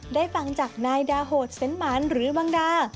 ได้ฟังจากนายดาโหดเซ็นหมานหรือบังดา